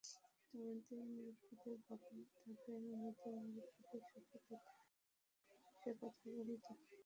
তোমাদের মুরুব্বিদের বলো আমাদের মুরুব্বিদের সাথে এসে কথা বলতে।